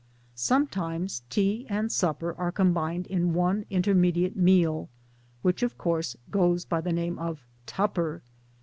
Some times tea and supper are combined in one inter mediate meal, which of course 'goes by the name of ' tupper.'